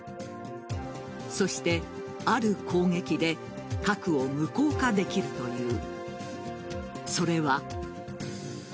そして、ある攻撃で核を無効化できるという。